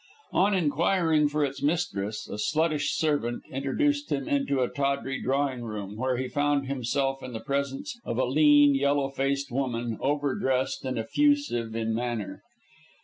On inquiring for its mistress, a sluttish servant introduced him into a tawdry drawing room, where he found himself in the presence of a lean, yellow faced woman, overdressed and effusive in manner.